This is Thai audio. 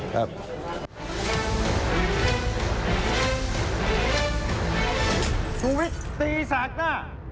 สูงวิทย์ตีสากหน้า